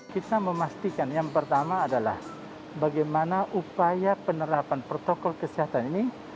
kita memastikan yang pertama adalah bagaimana upaya penerapan protokol kesehatan ini